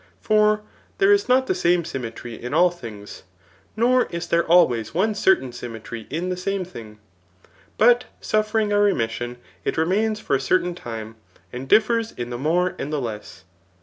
For there is not the same symmetry in all things, nor is there always one certain symmetry in the same thing ; but suffering a re mission, it remains for a certain time, and differs in the more and the tess.